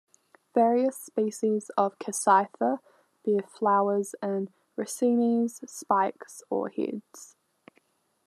Various species of "Cassytha" bear flowers in racemes, spikes, or heads.